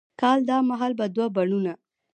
کال دا مهال به دوه بڼوڼه،